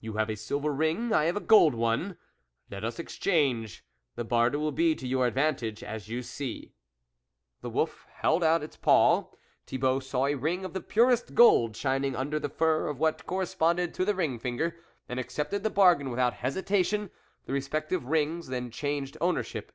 You have a silver ring, I have a gold one ; let us exchange ; the barter will be to your advantage, as you see." And the wolf held out its paw, Thibault saw a ring of the purest gold shining under the fur of what corres ponded to the ring finger, and accepted the bargain without hesitation ; the respective rings then changed ownership.